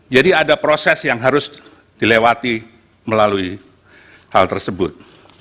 jadi ada proses yang harus dilewati melalui hal tersebut